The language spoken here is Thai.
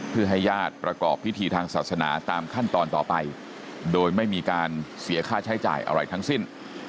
เพื่อให้ญาติประกอบพิธีทางศาสนาตามขั้นตอนต่อไปโดยไม่มีการเสียค่าใช้จ่ายอะไรทั้งสิ้น